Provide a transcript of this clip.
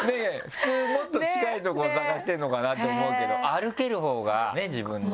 普通もっと近いとこ探してるのかなって思うけど歩けるほうが自分のね。